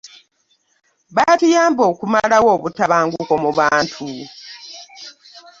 Batuyamba okumalawo obutabanguko mu bantu.